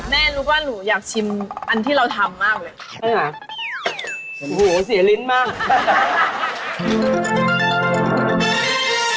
แม่รู้ว่าหนูอยากชิมอันที่เราทำมากเลย